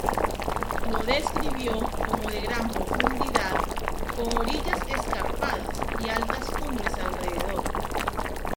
La describió como de gran profundidad, con orillas escarpadas y altas cumbres alrededor.